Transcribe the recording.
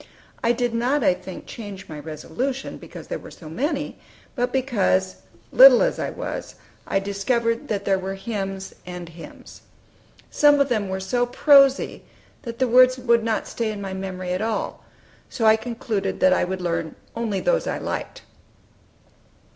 I did not, I think, change my resolution because there were so many, but because, little as I was, I discovered that there were hymns and hymns. Some of them were so prosy that the words would not stay in my memory at all, so I concluded that I would learn only those I liked.